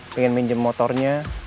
pengen minjem motornya